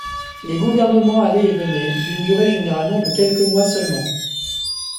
Les gouvernements allaient et venaient, d'une durée généralement de quelques mois seulement.